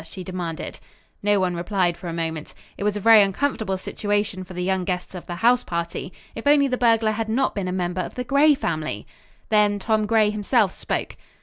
she demanded. No one replied for a moment. It was a very uncomfortable situation for the young guests of the house party. If only the burglar had not been a member of the Gray family! Then Tom Gray himself spoke.